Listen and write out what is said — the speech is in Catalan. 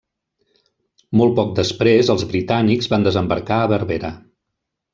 Molt poc després els britànics van desembarcar a Berbera.